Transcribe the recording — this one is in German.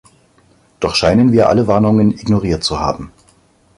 Doch scheinen wir alle Warnungen ignoriert zu haben.